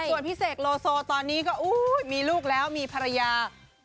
ส่วนพี่เสกโลโซตอนนี้ก็มีลูกแล้วมีภรรยา